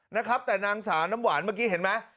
นะครับแต่นางสาวน้ำหวานเมื่อกี้เห็นไหม